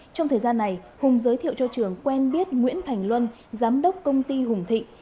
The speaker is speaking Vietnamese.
trong thời gian này hùng giới thiệu cho trường quen biết nguyễn thành luân giám đốc công ty hùng thịnh